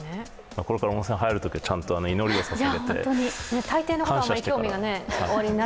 これから温泉入るときは、ちゃんと祈りを捧げて感謝してから。